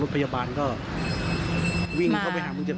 รุ่นพยาบาลก็วิงเข้าไปหาบินออบ